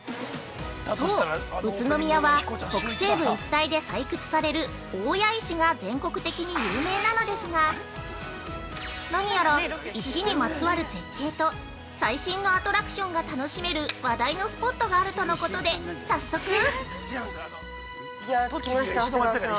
◆そう、宇都宮は北西部一帯で採掘される大谷石が全国的に有名なのですが何やら、石にまつわる絶景と最新のアトラクションが楽しめる話題のスポットがあるとのことで早速◆いや、着きました、長谷川さん。